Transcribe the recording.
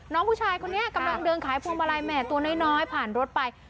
น้องผู้ชายคนนี้กำลังเดินขายพวงมาลัยแหมตัวน้อยผ่านรถไป